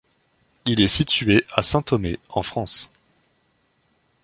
Il est situé à Saint-Thomé, en France.